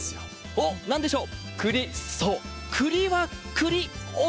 おっ、なんでしょう？